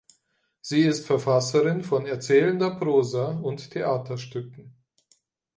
Sie ist Verfasserin von erzählender Prosa und Theaterstücken.